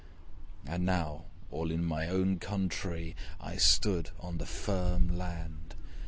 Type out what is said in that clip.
And now, all in my own countree, I stood on the firm land!